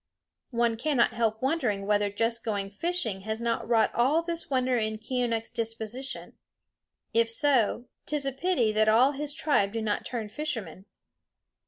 One cannot help wondering whether just going fishing has not wrought all this wonder in Keeonekh's disposition. If so, 't is a pity that all his tribe do not turn fishermen.